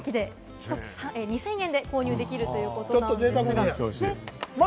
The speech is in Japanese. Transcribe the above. １つ２０００円で購入できるということです。